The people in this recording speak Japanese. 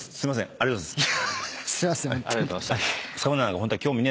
ありがとうございます。